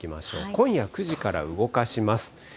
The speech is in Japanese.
今夜９時から動かします。